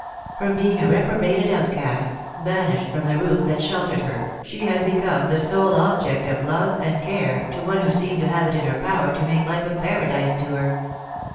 From being a reprobated outcast, banished from the roof, that shel tered her, she had become the sole object of love and care to one who seemed to have it in her power to make life a paradise to her.